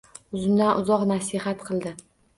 Uzundan uzoq nasihat qildi